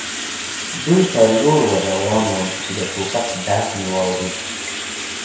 دوی پر لور ور روان ووم، چې د ټوپک ډز مې واورېد.